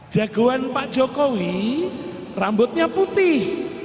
jagoan pak jokowi rambutnya putih